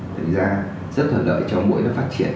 thật ra rất hợp lợi cho mũi nó phát triển